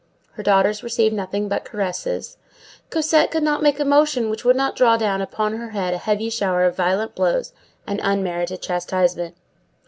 Her daughters received nothing but caresses. Cosette could not make a motion which did not draw down upon her head a heavy shower of violent blows and unmerited chastisement.